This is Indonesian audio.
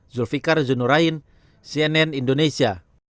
zulfiqar zunurain cnn indonesia